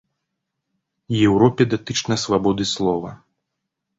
Еўропе датычна свабоды слова.